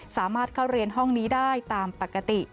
สามารถเข้าเรียนห้องนี้ได้ตามปกติ